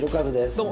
どうも！